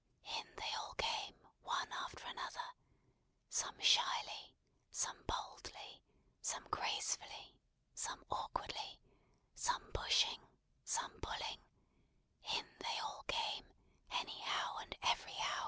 In they all came, one after another; some shyly, some boldly, some gracefully, some awkwardly, some pushing, some pulling; in they all came, anyhow and everyhow.